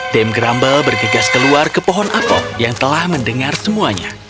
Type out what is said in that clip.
dame grumble bergegas keluar ke pohon apel yang telah mendengar semuanya